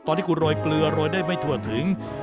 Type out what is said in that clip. ตอนที่คุณโรยเกลือโรยได้ไม่ถั่วถึง